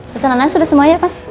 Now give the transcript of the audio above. pesanan pesanan sudah semua ya mas